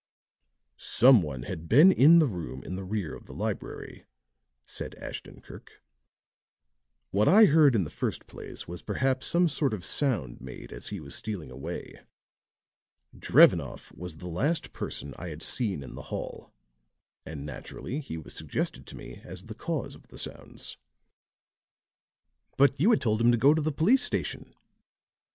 "Some one had been in the room in the rear of the library," said Ashton Kirk. "What I heard in the first place was perhaps some sort of sound made as he was stealing away. Drevenoff was the last person I had seen in the hall, and naturally he was suggested to me as the cause of the sounds." "But you had told him to go to the police station."